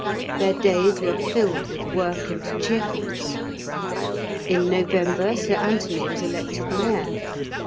Their days were filled with work and cheerfulness. In November Sir Anthony was elected Mayor.